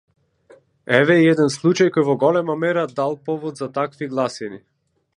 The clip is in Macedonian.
Еве и еден случај кој во голема мера дал повод за такви гласини.